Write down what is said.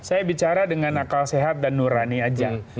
saya bicara dengan akal sehat dan nurani aja